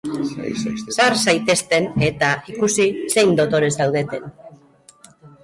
Sar zaitezte, eta ikusi zein dotore zaudeten!